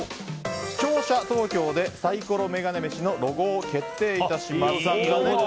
視聴者投票でサイコロメガネ飯のロゴを決定いたします。